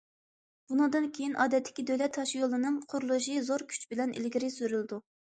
بۇنىڭدىن كېيىن ئادەتتىكى دۆلەت تاشيولىنىڭ قۇرۇلۇشى زور كۈچ بىلەن ئىلگىرى سۈرۈلىدۇ.